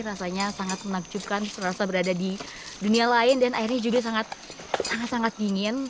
rasanya sangat menakjubkan serasa berada di dunia lain dan airnya juga sangat sangat dingin